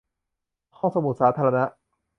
ห้องสมุดสาธารณะ